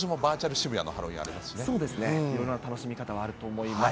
渋谷のハいろいろな楽しみ方があると思います。